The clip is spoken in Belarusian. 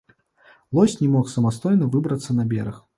Лось не мог самастойна выбрацца на бераг.